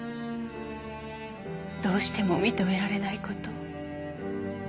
どうしても認められない事。